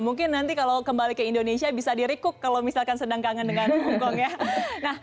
mungkin nanti kalau kembali ke indonesia bisa di recook kalau misalkan sedang kangen dengan hongkong ya